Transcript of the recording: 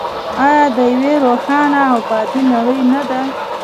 آیا د یوې روښانه او ابادې نړۍ نه ده؟